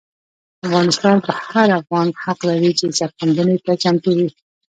افغانستان پر هر افغان حق لري چې سرښندنې ته چمتو وي.